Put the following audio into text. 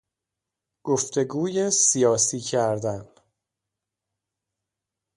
گفتگوی سیاسی کردن